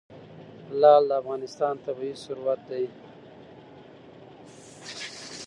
لعل د افغانستان طبعي ثروت دی.